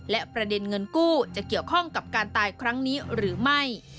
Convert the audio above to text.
และประเด็นเงินกู้จะเกี่ยวข้องกับการตายครั้งนี้หรือไม่